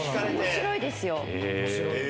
面白いですよ。